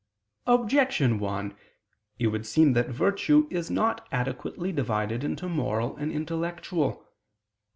Objection 1: It would seem that virtue is not adequately divided into moral and intellectual.